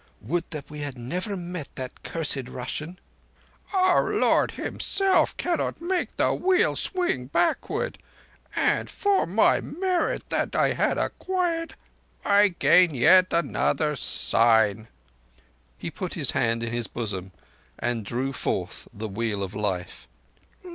'" "Would we had never met that cursed Russian!" "Our Lord Himself cannot make the Wheel swing backward. And for my merit that I had acquired I gain yet another sign." He put his hand in his bosom, and drew forth the Wheel of Life.